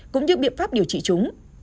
cũng như biện pháp điều trị chúng